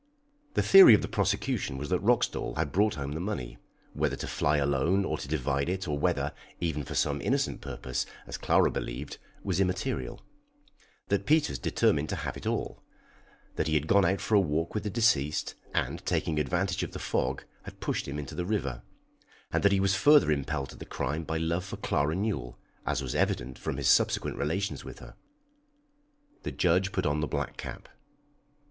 The theory of the prosecution was that Roxdal had brought home the money, whether to fly alone or to divide it, or whether, even for some innocent purpose, as Clara believed, was immaterial; that Peters determined to have it all, that he had gone out for a walk with the deceased, and, taking advantage of the fog, had pushed him into the river, and that he was further impelled to the crime by love for Clara Newell, as was evident from his subsequent relations with her. The judge put on the black cap.